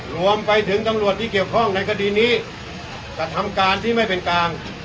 รวมไปถึงตำรวจที่เกี่ยวข้องในคดีนี้กระทำการที่ไม่เป็นกลาง